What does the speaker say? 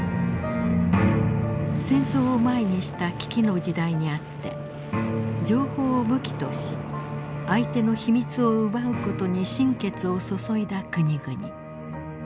戦争を前にした危機の時代にあって情報を武器とし相手の秘密を奪う事に心血を注いだ国々。